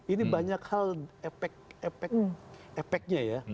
ini banyak hal efeknya ya